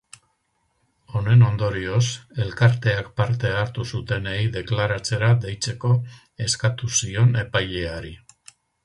Honen ondorioz, elkarteak parte hartu zutenei deklaratzera deitzeko eskatu zion epaileari.